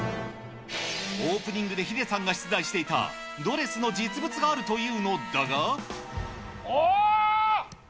オープニングでヒデさんが出題していた、ドレスの実物があるといあー。